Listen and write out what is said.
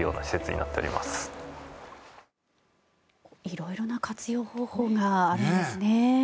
色々な活用方法があるんですね。